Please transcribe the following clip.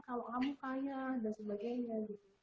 kalau kamu kaya dan sebagainya gitu